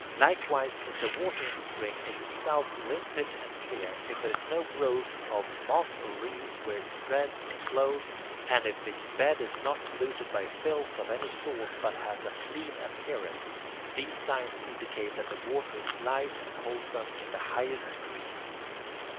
Likewise if the water in the spring is itself limpid and clear, if there is no growth of moss or reeds where it spreads and flows, and if its bed is not polluted by filth of any sort but has a clean appearance, these signs indicate that the water is light and wholesome in the highest degree.